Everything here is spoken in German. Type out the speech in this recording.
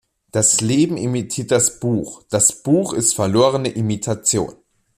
Das Leben imitiert das Buch, das Buch ist verlorene Imitation.